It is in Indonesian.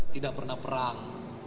tidak pernah perang